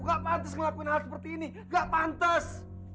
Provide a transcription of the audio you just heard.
nggak pantas ngelakuin hal seperti ini nggak pantas